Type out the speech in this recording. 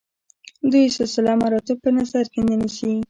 دوی سلسله مراتب په نظر کې نه نیسي.